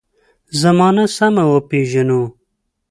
زمانه سمه وپېژنو.